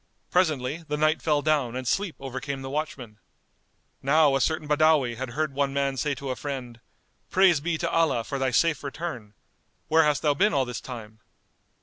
Presently, the night fell down and sleep overcame the watchmen. Now a certain Badawi had heard one man say to a friend, "Praise be to Allah for thy safe return! Where hast thou been all this time?"